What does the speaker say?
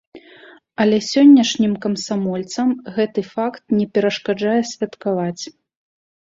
Але сённяшнім камсамольцам гэты факт не перашкаджае святкаваць.